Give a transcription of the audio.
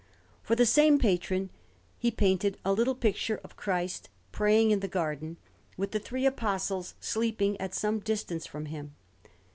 For the same patron he painted a little picture of Christ praying in the Garden, with the three Apostles sleeping at some distance from Him.